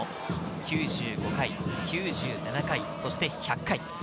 ９５回、９７回、そして１００回。